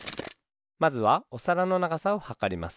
まずはおさらのながさをはかります。